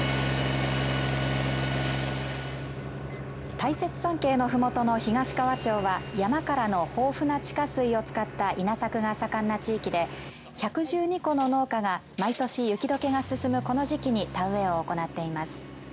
大雪山系のふもとの東川町は山からの豊富な地下水を使った稲作が盛んな地域で１１２戸の農家が毎年雪どけが進むこの時期に田植えを行っています。